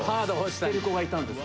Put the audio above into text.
捨てる子がいたんです。